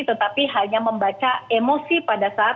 tetapi hanya membaca emosi pada saat